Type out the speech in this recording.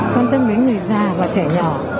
quan tâm đến người già và trẻ nhỏ